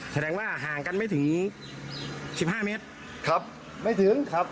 แสดงว่าห่างกันไม่ถึงสิบห้าเมตรครับไม่ถึงครับ